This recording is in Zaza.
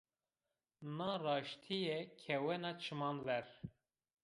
Na raştîye kewena çiman ver